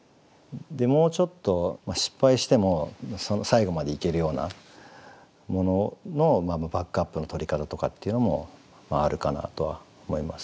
もうちょっと失敗しても最後までいけるようなもののバックアップのとり方とかっていうのもあるかなとは思いますね。